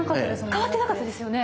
変わってなかったですよね。